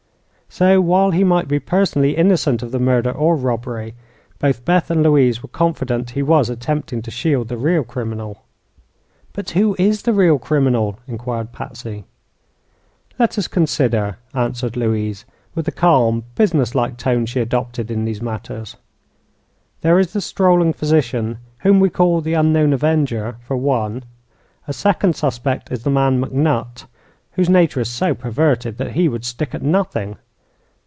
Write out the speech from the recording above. So, while he might be personally innocent of the murder or robbery, both Beth and Louise were confident he was attempting to shield the real criminal. "But who is the real criminal?" inquired Patsy. "Let us consider," answer Louise, with the calm, businesslike tone she adopted in these matters. "There is the strolling physician, whom we call the Unknown Avenger, for one. A second suspect is the man McNutt, whose nature is so perverted that he would stick at nothing.